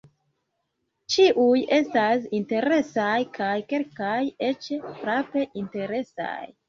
Ĉiuj estas interesaj kaj kelkaj eĉ frape interesaj.